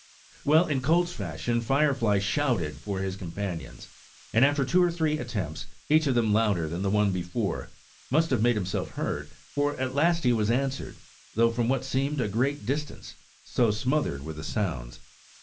Well, in colt's fashion Firefly shouted for his companions, and after two or three attempts, each of them louder than the one before, must have made himself heard; for at last he was answered, though from what seemed a great distance, so smothered were the sounds.